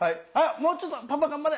もうちょっとパパ頑張れ！